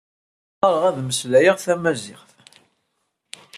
Xtareɣ ad mmeslayeɣ tamaziɣt.